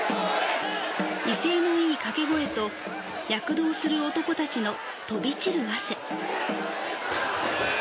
威勢のいい掛け声と躍動する男たちの飛び散る汗。